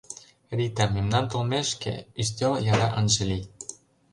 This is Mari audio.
Рита, мемнан толмешке, ӱстел яра ынже лий.